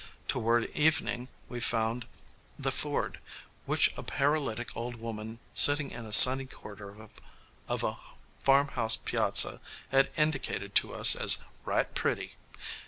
Toward evening we found the ford, which a paralytic old woman sitting in a sunny corner of a farm house piazza had indicated to us as "right pretty."